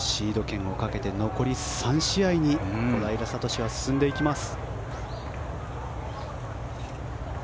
シード権をかけて残り３試合に小平智は進んでいきます。